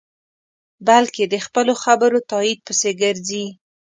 بلکې د خپلو خبرو تایید پسې گرځي.